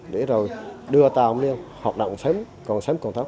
để đưa tàu lên hoạt động sớm còn sớm còn thấp